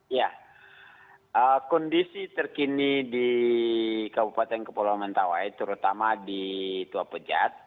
ya kondisi terkini di kabupaten kepulauan mentawai terutama di tua pejat